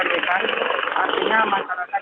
yang telah disertikan artinya masyarakat